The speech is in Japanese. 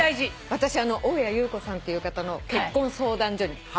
私大屋優子さんっていう方の結婚相談所に入りました。